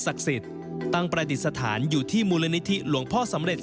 สิทธิ์ตั้งประดิษฐานอยู่ที่มูลนิธิหลวงพ่อสำเร็จ